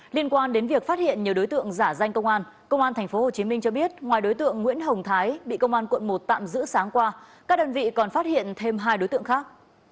liên quan đến việc phát hiện nhiều đối tượng giả danh công an công an tp hcm cho biết ngoài đối tượng nguyễn hồng thái bị công an quận một tạm giữ sáng qua các đơn vị còn phát hiện thêm hai đối tượng khác